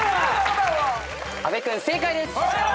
阿部君正解です！